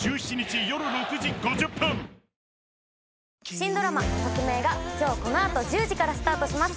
新ドラマ『トクメイ！』が今日この後１０時からスタートします。